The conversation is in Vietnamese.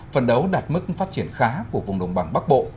phần đấu đạt mức phát triển khá của vùng đồng bằng bắc bộ